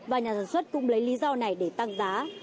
và nhà sản xuất cũng lấy lý do này để tăng giá